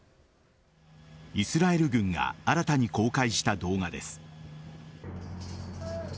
イスラエル軍が新たに公開した動画です。